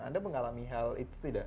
anda mengalami hal itu tidak